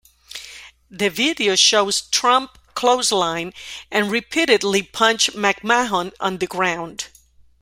The video shows Trump clothesline and repeatedly punch McMahon on the ground.